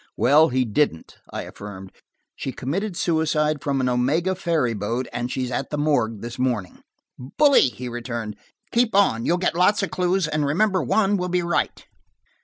"Well, he didn't," I affirmed. "She committed suicide from an Omega ferry boat and she's at the morgue this morning." "Bully," he returned. "Keep on; you'll get lots of clues, and remember one will be right."